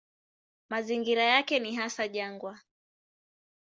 Mazingira yake ni hasa jangwa.